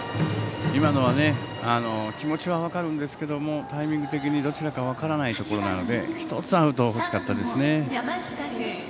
今のは気持ちは分かるんですけどタイミング的にどちらか分からないところなので１つアウトが欲しかったですね。